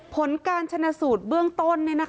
ผลการชนสูตรเบื้องต้นเนี้ยนะคะ